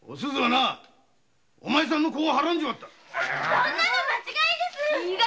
そんなの間違いです